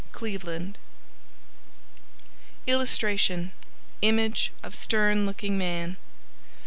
Cleveland [Illustration: Image of stern looking man.